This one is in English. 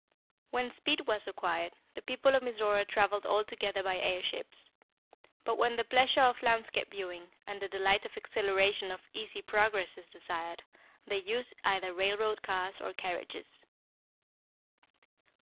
When speed was required, the people of Mizora traveled altogether by air ships. But when the pleasure of landscape viewing, and the delight and exhilaration of easy progress is desired, they use either railroad cars or carriages.